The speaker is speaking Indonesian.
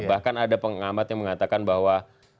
bahkan ada pengamat yang mengatakan bahwa